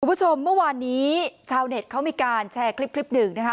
คุณผู้ชมเมื่อวานนี้ชาวเน็ตเขามีการแชร์คลิปคลิปหนึ่งนะคะ